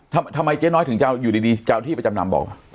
ทำไมเจ๊น้อยถึงจะเอาอยู่ดีเจ้าที่ไปจำนำบอก